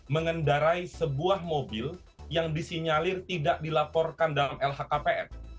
mengendarai sebuah mobil yang disinyalir tidak dilaporkan dalam lhkpn